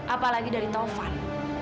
apalagi dari taufan